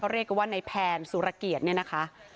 เรียกว่าในแผนสุรเกียจเนี่ยนะคะ